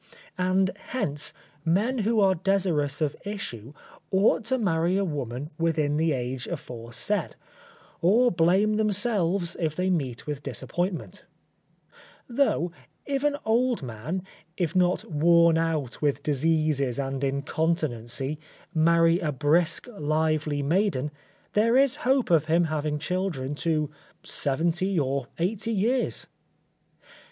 And, hence, men who are desirous of issue ought to marry a woman within the age aforesaid, or blame themselves if they meet with disappointment; though, if an old man, if not worn out with diseases and incontinency, marry a brisk, lively maiden, there is hope of him having children to 70 or 80 years.